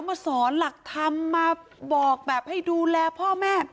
มาสอนหลักธรรมมาบอกแบบให้ดูแลพ่อแม่